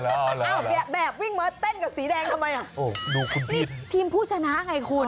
ต้องเท่าไหร่วิ่งเมอร์เต้นกับสีแดงทำไมทีมผู้ชนะว่าาล่ะคุณ